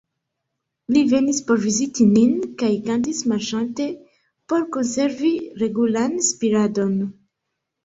Li venis por viziti nin, kaj kantis marŝante por konservi regulan spiradon.